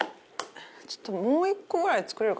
ちょっともう１個ぐらい作れるかな？